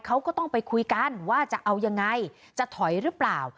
เขาก็ต้องไปคุยกันว่าจะเอายังไงจะถอยหรือเปล่า